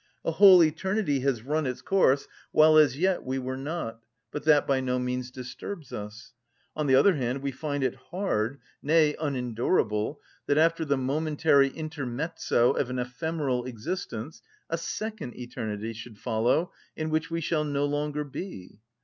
A whole eternity has run its course while as yet we were not, but that by no means disturbs us. On the other hand, we find it hard, nay, unendurable, that after the momentary intermezzo of an ephemeral existence, a second eternity should follow in which we shall no longer be.